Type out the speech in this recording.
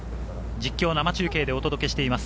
実況生中継でお届けしています